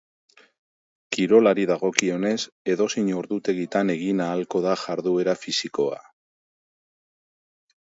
Kirolari dagokionez, edozein ordutegitan egin ahalko da jarduera fisikoa.